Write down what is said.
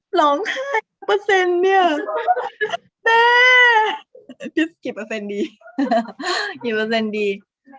หลงค่ะเปอร์เซ็นต์เนี่ยแม่พี่สกิตเปอร์เซ็นต์ดี